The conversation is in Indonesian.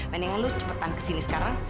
mendingan lo cepetan kesini sekarang